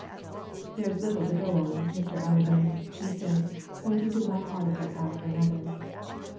"There's little to go on, Mr. Allerdyke," he said, pointing to one article after another.